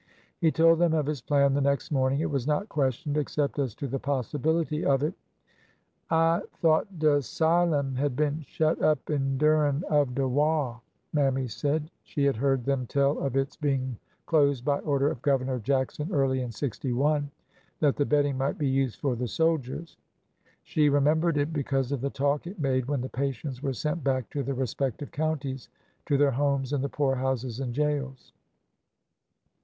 He told them of his plan the next morning. It was not questioned except as to the possibility of it. " I thought de 'sylum had been shut up endurin' of de wah," Mammy said. She had heard them tell of its being closed by order of Governor Jackson early in '61, that the bedding might be used for the soldiers. She re membered it because of the talk it made when the patients were sent back to their respective counties, to their homes and the poorhouses and jails.